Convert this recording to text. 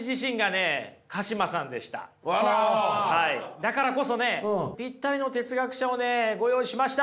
だからこそねぴったりの哲学者をねご用意しました。